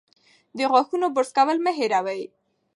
د غاښونو برس کول مه هېروئ.